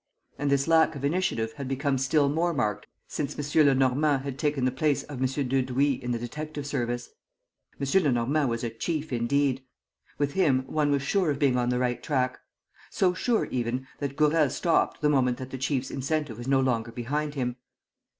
And this lack of initiative had become still more marked since M. Lenormand had taken the place of M. Dudouis in the detective service. M. Lenormand was a chief indeed! With him, one was sure of being on the right track. So sure, even, that Gourel stopped the moment that the chief's incentive was no longer behind him.